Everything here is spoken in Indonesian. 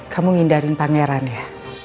kamu ngindarin pangeran ya